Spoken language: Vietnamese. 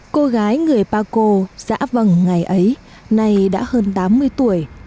cô gái người pa co giã vầng ngày ấy nay đã hơn tám mươi tuổi